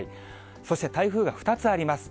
そして台風が２つあります。